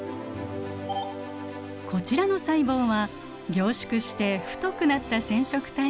こちらの細胞は凝縮して太くなった染色体が観察できますね。